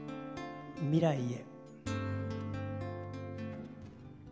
「未来へ」。